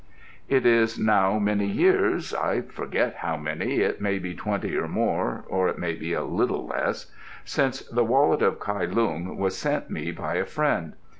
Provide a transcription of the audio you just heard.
It is now many years I forget how many; it may be twenty or more, or it may be a little less since The Wallet of Kai Lung was sent me by a friend.